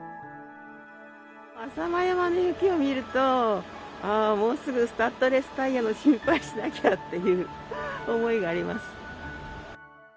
浅間山の雪を見ると、ああ、もうすぐスタッドレスタイヤの心配しなきゃっていう思いがあります。